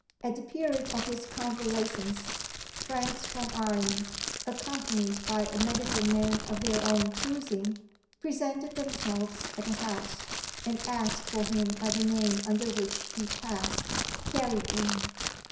At the period of his convalescence, friends from Ireland (accompanied by a medical man of their own choosing) presented themselves at the house, and asked for him by the name under which he passed Carrigeen.